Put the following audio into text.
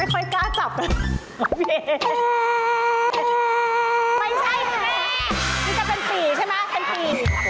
ไม่ใช่คุณแม่นี่ก็เป็นปีใช่ไหมเป็นปี